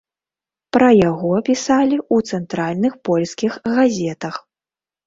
Пра яго пісалі ў цэнтральных польскіх газетах.